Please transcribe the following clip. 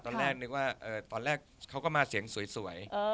ตอนแรกเค้าก็มาเสียงสวย